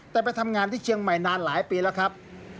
แต่ไปทำงานที่เชียงใหม่นานหลายปีแล้วครับ